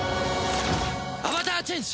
アバターチェンジ！